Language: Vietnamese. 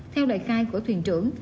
theo lời khai của thuyền trưởng